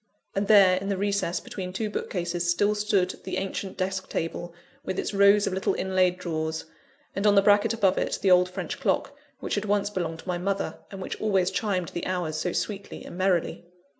And there, in the recess between two bookcases, still stood the ancient desk table, with its rows of little inlaid drawers; and on the bracket above it the old French clock, which had once belonged to my mother, and which always chimed the hours so sweetly and merrily.